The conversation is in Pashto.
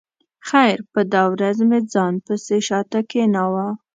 خیر په دا ورځ مې ځان پسې شا ته کېناوه.